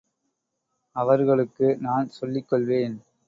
அவர்களுக்கு நான் சொல்லிக் கொள்வேன்.